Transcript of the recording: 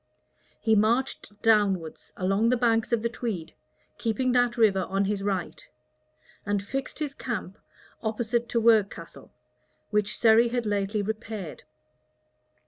He marched downwards, along the banks of the Tweed, keeping that river on his right; and fixed his camp opposite to Werkcastle, which Surrey had lately repaired.